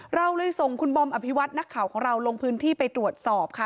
เราเลยส่งคุณบอมอภิวัตนักข่าวของเราลงพื้นที่ไปตรวจสอบค่ะ